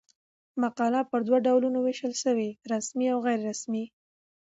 مقاله پر دوه ډولونو وېشل سوې؛ رسمي او غیري رسمي.